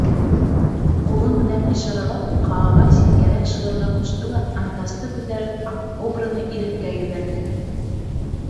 Ҡулы менән ишаралап, Кааға ситкәрәк шылырға ҡушты ла, анкасты күтәреп, аҡ кобраны иреккә ебәрҙе.